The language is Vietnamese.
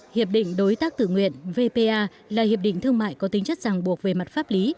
hiệp định đối tác tự nguyện vpa là hiệp định thương mại có tính chất giảng buộc về mặt pháp lý